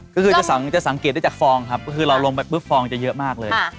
ก็คือจะสังเกตได้จากฟองครับคือเราลงไปปุ๊บฟองจะเยอะมากเลย